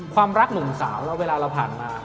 ความรักหนุ่มสาวแล้วเวลาเราผ่านมา